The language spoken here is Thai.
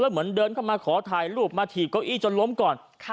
เหมือนเดินเข้ามาขอถ่ายรูปมาถีบเก้าอี้จนล้มก่อน